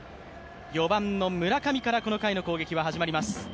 ４番の村上からこの回の攻撃は始まります。